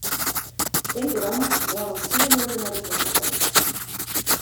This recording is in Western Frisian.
Tink derom, moarn om tsien oere nei de toskedokter.